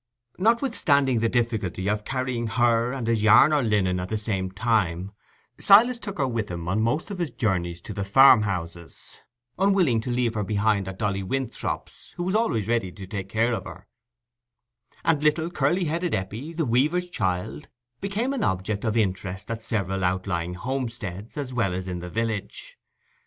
Notwithstanding the difficulty of carrying her and his yarn or linen at the same time, Silas took her with him in most of his journeys to the farmhouses, unwilling to leave her behind at Dolly Winthrop's, who was always ready to take care of her; and little curly headed Eppie, the weaver's child, became an object of interest at several outlying homesteads, as well as in the village.